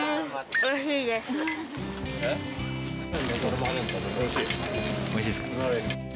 おいしいですか？